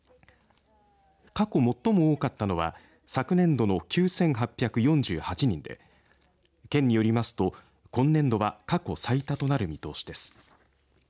過去最も多かったのは昨年度の９８４８人で県によりますと今年度は過去最多となる見通しです。